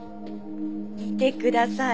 見てください。